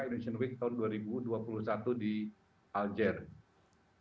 indonesian week dua ribu dua puluh satu di aljazeera